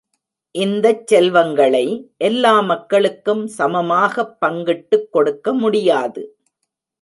இந்தச் செல்வங்களை எல்லா மக்களுக்கும் சமமாகப் பங்கிட்டுக் கொடுக்க முடியாது.